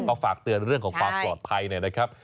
ก็ฝากเตือนเรื่องของความปลอดภัยหน่อยนะครับ